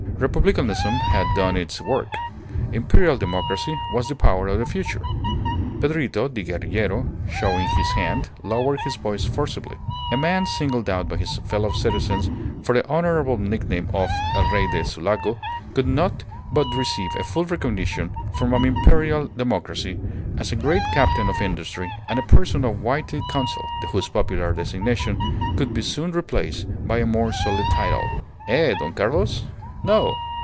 Republicanism had done its work. Imperial democracy was the power of the future. Pedrito, the guerrillero, showing his hand, lowered his voice forcibly. A man singled out by his fellow citizens for the honourable nickname of El Rey de Sulaco could not but receive a full recognition from an imperial democracy as a great captain of industry and a person of weighty counsel, whose popular designation would be soon replaced by a more solid title. "Eh, Don Carlos? No!